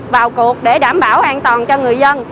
vào cuộc để đảm bảo an toàn cho người dân